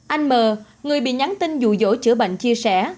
anh m người bị nhắn tin dụ dỗ chữa bệnh chia sẻ